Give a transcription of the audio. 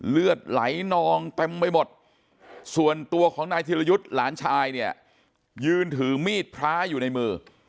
เลือดไหลนองเต็มไปหมดส่วนตัวของนายธิรยุทธ์หลานชายเนี่ยยืนถือมีดพระอยู่ในมือ